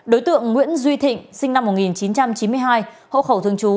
đối tượng nguyễn duy thịnh sinh năm một nghìn chín trăm chín mươi hai hậu khẩu thương chú